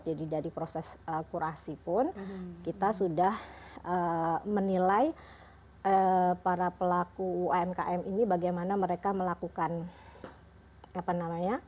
jadi dari proses kurasi pun kita sudah menilai para pelaku umkm ini bagaimana mereka melakukan